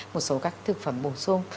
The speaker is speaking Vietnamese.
một số các thực phẩm bổ sung